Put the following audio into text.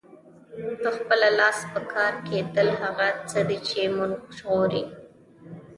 په خپله لاس پکار کیدل هغه څه دي چې مونږ ژغوري.